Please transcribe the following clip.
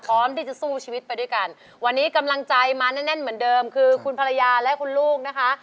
พร้อมที่จะสู้ชีวิตไปด้วยกันวันนี้กำลังใจมาแน่นเหมือนเดิมคือคุณภรรยาและคุณลูกนะคะ